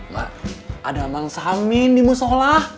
mak ada emang samin di musola